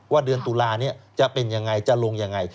เดือนตุลานี้จะเป็นยังไงจะลงยังไง